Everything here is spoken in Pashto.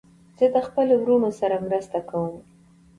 زه د خپلو وروڼو سره مرسته کوم.